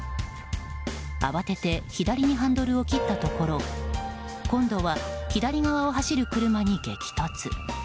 慌てて左にハンドルを切ったところ今度は左側を走る車に激突。